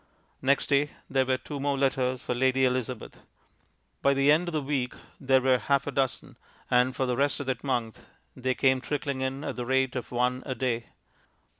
Next day there were two more letters for Lady Elizabeth; by the end of the week there were half a dozen; and for the rest of that month they came trickling in at the rate of one a day.